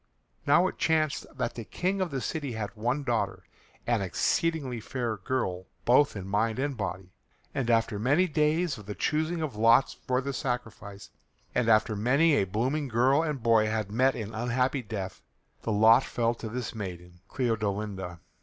Now it chanced that the King of the city had one daughter, an exceeding fair girl both in mind and body, and after many days of the choosing of lots for the sacrifice, and after many a blooming girl and boy had met an unhappy death, the lot fell to this maiden, Cleodolinda.